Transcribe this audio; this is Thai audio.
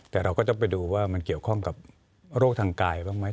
แต่เราก็จะไปดูว่ามันเกี่ยวข้องกับโรคทางกายบ้างไหม